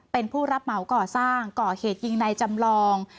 เป็นผู้รับเหมาก่อสร้างก่อเหตุยิงในจำลอง